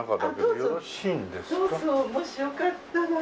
もしよかったら。